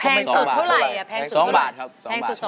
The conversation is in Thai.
แพงสุดเท่าไร